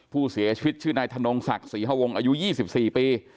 ผู้เสียชีวิตชื่อนายธนงศักดิ์ศรีฮวงอายุ๒๔ปี